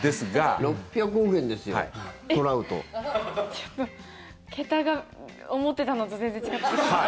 ちょっと、桁が思ってたのと全然違ってました。